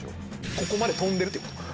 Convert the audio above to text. ここまで跳んでるってこと。